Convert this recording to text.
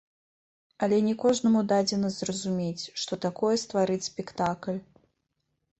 Але не кожнаму дадзена зразумець, што такое стварыць спектакль.